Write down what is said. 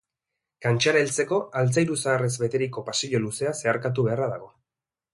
Kantxara heltzeko altzairu zaharrez beteriko pasillo luzea zeharkatu beharra dago.